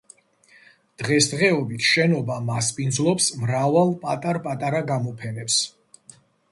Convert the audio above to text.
დღესდღეობით შენობა მასპინძლობს მრავალ პატარ-პატარა გამოფენებს.